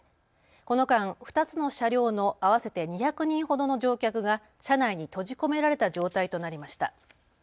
この間２つの車両の合わせて２００人程度の乗客が車内に閉じ込められた状態となりました。